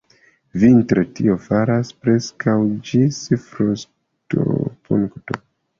Vintre tio falas preskaŭ ĝis frostopunkto.